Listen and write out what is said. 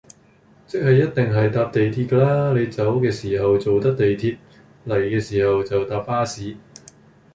即係一定係搭地鐵㗎啦，你走嘅時候做得地鐵，嚟嘅時候就搭巴士